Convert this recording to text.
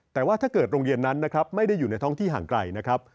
แต่ว่าถ้าเกิดโรงเรียนนั้นนะครับไม่ได้อยู่ในท้องที่ห่างไกลนะครับ